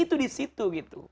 itu di situ gitu